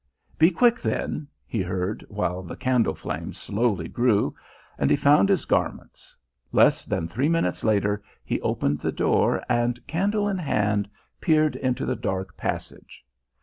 "Be quick then!" he heard, while the candle flame slowly grew, and he found his garments. Less than three minutes later he opened the door and, candle in hand, peered into the dark passage.